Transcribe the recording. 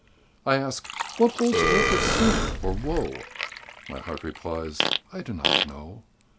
I ask, "Holds earth of sin, or woe?" My heart replies, "I do not know."